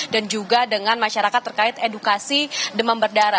dan juga dengan masyarakat terkait edukasi demam berdarah